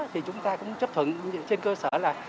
thì chúng ta cũng chấp thuận trên cơ sở là